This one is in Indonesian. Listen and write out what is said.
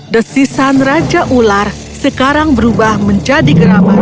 desisan raja ular sekarang berubah menjadi gerabah